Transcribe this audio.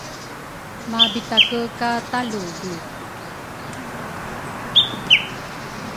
mapitake ka taludru.